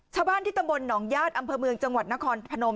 ชาวบ้านที่ตำบลหนองญาติอำเภอเมืองจังหวัดนครพนม